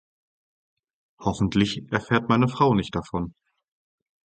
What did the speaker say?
Hoffentlich erfährt meine Frau nicht davon!